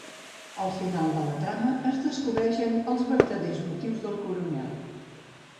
Al final de la trama, es descobrixen els vertaders motius del coronel.